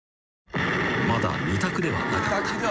［まだ二択ではなかった］